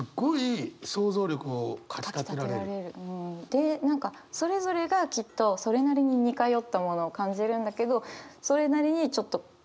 で何かそれぞれがきっとそれなりに似通ったものを感じるんだけどそれなりにちょっと個人差もありそうな。